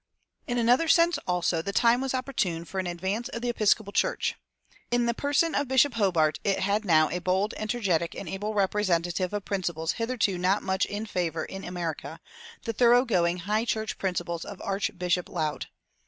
[305:1] In another sense, also, the time was opportune for an advance of the Episcopal Church. In the person of Bishop Hobart it had now a bold, energetic, and able representative of principles hitherto not much in favor in America the thoroughgoing High church principles of Archbishop Laud.